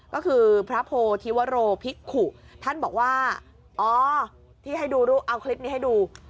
ก็คือพระโพธิวโรภิกขุท่านบอกว่าอ๋อที่ให้ดูเอาคลิปนี้ให้ดู